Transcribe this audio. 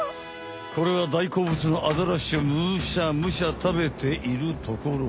これはだいこうぶつのアザラシをムシャムシャたべているところ。